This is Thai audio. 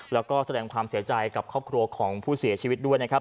แล้วก็แสดงความเสียใจกับครอบครัวของผู้เสียชีวิตด้วยนะครับ